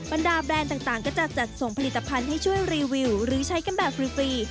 บรรดาแบรนด์ต่างก็จะจัดส่งผลิตภัณฑ์ให้ช่วยรีวิวหรือใช้กันแบบฟรี